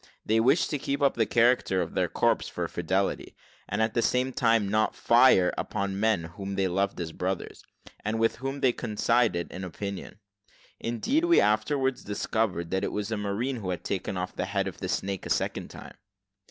They wished to keep up the character of their corps for fidelity, and at the same time not fire upon men whom they loved as brothers, and with whom they coincided in opinion. Indeed, we afterwards discovered that it was a marine who had taken off the head of the snake a second time.